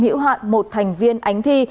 hữu hạn một thành viên ánh thi